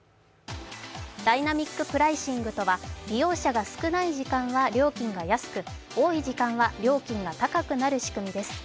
ダイナミックプライシングとは利用者が少ない時間には料金が安く、多い時間は料金が高くなる仕組みです。